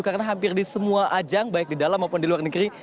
karena hampir di semua ajang baik di dalam maupun di luar negeri